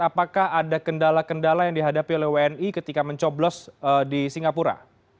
apakah ada kendala kendala yang dihadapi oleh wni ketika mencoblos di singapura